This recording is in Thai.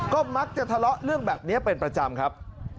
ก็มักจะทะเลาะเรื่องแบบนี้เป็นประจำครับ